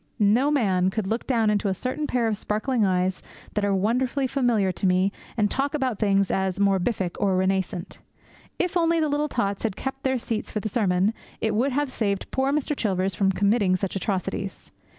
No man could look down into a certain pair of sparkling eyes that are wonderfully familiar to me and talk about things as 'morbific' or 'renascent.' If only the little tots had kept their seats for the sermon, it would have saved poor Mr. Chilvers from committing such atrocities.